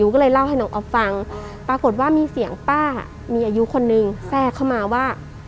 ก็เลยเล่าให้น้องอ๊อฟฟังปรากฏว่ามีเสียงป้ามีอายุคนนึงแทรกเข้ามาว่า